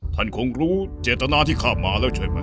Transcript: ท่านคงรู้เจตนาที่เข้ามาแล้วใช่ไหม